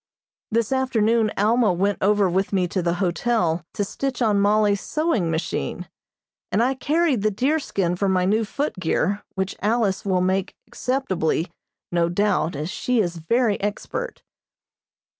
This afternoon Alma went over with me to the hotel to stitch on Mollie's sewing machine, and I carried the deerskin for my new footgear which Alice will make acceptably, no doubt, as she is very expert.